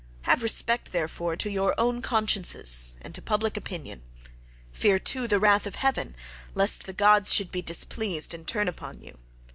Have respect, therefore, to your own consciences and to public opinion. Fear, too, the wrath of heaven, lest the gods should be displeased and turn upon you.